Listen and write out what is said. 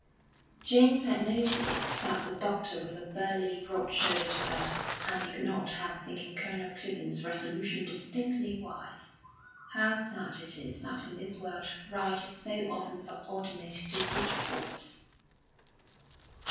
James had noticed that the doctor was a burly, broad shouldered fellow, and he could not help thinking Colonel Clibborn's resolution distinctly wise. How sad it is that in this world right is so often subordinate to brute force!